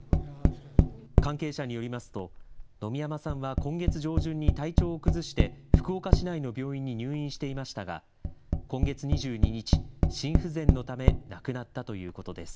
関係者によりますと、野見山さんは今月上旬に体調を崩して福岡市内の病院に入院していましたが、今月２２日、心不全のため亡くなったということです。